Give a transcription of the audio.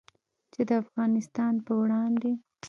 چې د افغانستان په وړاندې